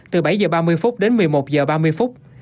từ bảy h ba mươi phút đến một mươi một giờ ba mươi phút